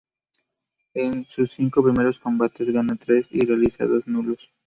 En sus cinco primeros combates gana tres y realiza dos nulos.